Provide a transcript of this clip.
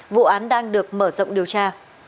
vụ án đang được mở rộng điều tra